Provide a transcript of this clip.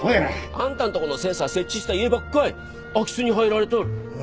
あんたんとこのセンサー設置した家ばっかい空き巣に入られとる。